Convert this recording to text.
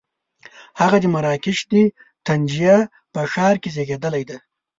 هغه د مراکش د طنجه په ښار کې زېږېدلی دی.